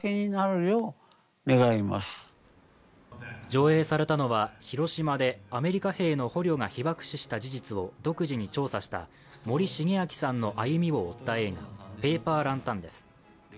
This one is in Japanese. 上映されたのは、広島でアメリカ兵の捕虜が被爆死した事実を独自に調査した森重昭さんの歩みを追った映画「ペーパー・ランタン」です。